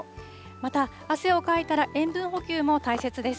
また、汗をかいたら塩分補給も大切です。